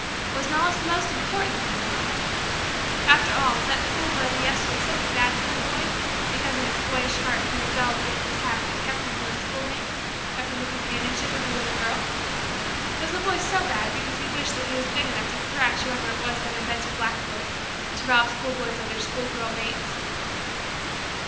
"Was Knowledge the most important thing in life? After all, was that schoolboy of the Yesterdays such a bad schoolboy because, in his boyish heart, he rebelled against the tasks that kept him from his schoolmates and from the companionship of the little girl? Was that boy so bad because he wished that he was big enough to thrash whoever it was that invented blackboards, to rob schoolboys of their schoolgirl mates?"